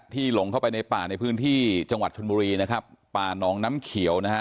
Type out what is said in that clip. หลงเข้าไปในป่าในพื้นที่จังหวัดชนบุรีนะครับป่านองน้ำเขียวนะฮะ